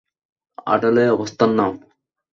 আড়ালে অবস্থান নাও।